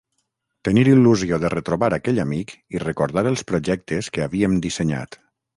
Tenir il·lusió de retrobar aquell amic i recordar els projectes que havíem dissenyat.